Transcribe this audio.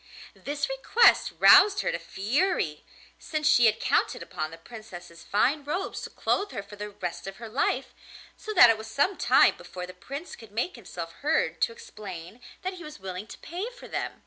This request roused her to fury, since she had counted upon the Princess's fine robes to clothe her for the rest of her life, so that it was some time before the Prince could make himself heard to explain that he was willing to pay for them.